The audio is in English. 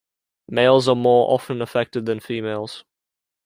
Males are more often affected than females.